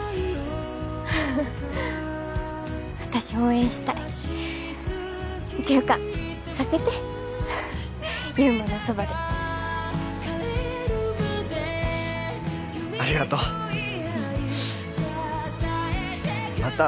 私応援したいていうかさせて祐馬のそばでありがとううんまた